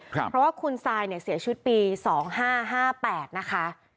เพราะว่าคุณซายเนี่ยเสียชีวิตปี๒๕๕๘นะคะ